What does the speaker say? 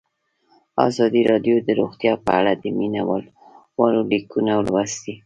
ازادي راډیو د روغتیا په اړه د مینه والو لیکونه لوستي.